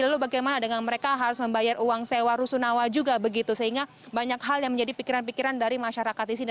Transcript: lalu bagaimana dengan mereka harus membayar uang sewa rusunawa juga begitu sehingga banyak hal yang menjadi pikiran pikiran dari masyarakat di sini